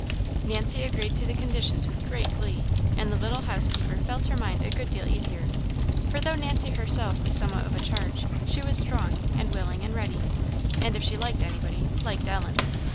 Nancy agreed to the conditions with great glee; and the little housekeeper felt her mind a good deal easier; for though Nancy herself was somewhat of a charge, she was strong, and willing, and ready, and, if she liked anybody, liked Ellen.